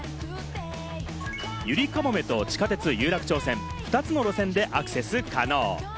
ゆりかもめと地下鉄有楽町線、２つの路線でアクセス可能。